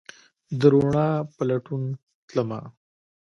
د روڼا په لټون تلمه